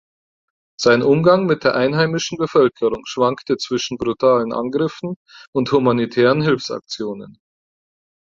Sein Umgang mit der einheimischen Bevölkerung schwankte zwischen brutalen Angriffen und humanitären Hilfsaktionen.